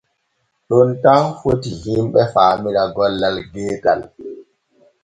Ɗon tan fitii himɓe faamira gollal geetal.